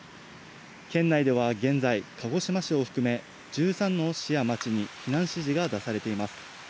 県内では現在、鹿児島市を含め１３の市や町に避難指示が出されています。